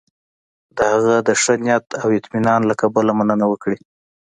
د هغه د ښه نیت او اطمینان له کبله مننه وکړي.